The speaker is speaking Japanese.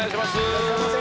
いらっしゃいませ。